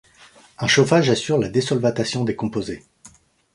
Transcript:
Un chauffage assure la désolvatation des composés.